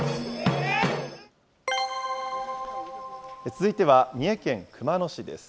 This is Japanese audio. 続いては三重県熊野市です。